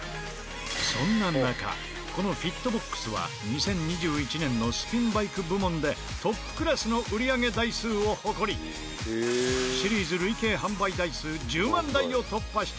そんな中このＦＩＴＢＯＸは２０２１年のスピンバイク部門でトップクラスの売り上げ台数を誇りシリーズ累計販売台数１０万台を突破した大人気商品。